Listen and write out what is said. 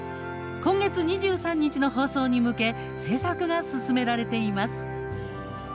今月２３日の放送に向け制作が進められています。